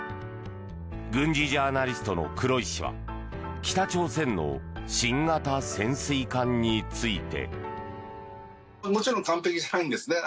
軍事ジャーナリストの黒井氏は北朝鮮の新型潜水艦について。